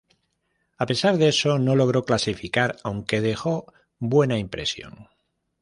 A pesar de eso, no logró clasificar, aunque dejó buena impresión.